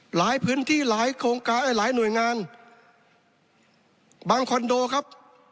หลายพื้นที่หลายโครงการหลายหน่วยงานบางคอนโดครับ